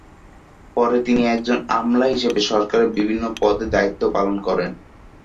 পরে তিনি একজন আমলা হিসেবে সরকারের বিভিন্ন পদে দায়িত্ব পালন করেন।